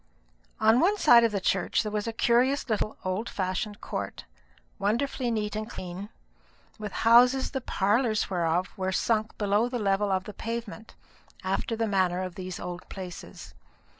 On one side of the church there was a curious little old fashioned court, wonderfully neat and clean, with houses the parlours whereof were sunk below the level of the pavement, after the manner of these old places.